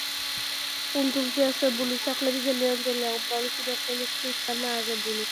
კუნძულზე არსებული სახლები ძალიან ძველია, უმრავლესი მათგანი ხისგანაა აგებული.